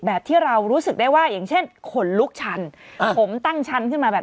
แบบที่เรารู้สึกได้ว่าอย่างเช่นขนลุกชั้นผมตั้งชั้นขึ้นมาแบบ